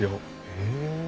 へえ。